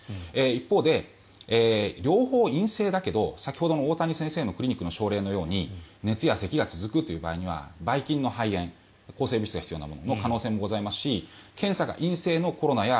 一方で、両方陰性だけど先ほどの大谷先生のクリニックの症例のように熱やせきが続くという場合にはばい菌の肺炎抗生物質が必要な病気の可能性もございますし検査が陰性のコロナや